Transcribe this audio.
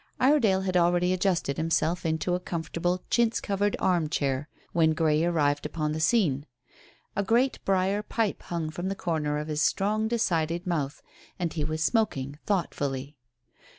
Iredale had already adjusted himself into a comfortable chintz covered arm chair when Grey arrived upon the scene. A great briar pipe hung from the corner of his strong, decided mouth, and he was smoking thoughtfully.